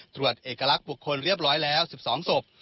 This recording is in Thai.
ตรวจเอกลักษณ์บุคคลเรียบร้อยแล้ว๑๒ศพ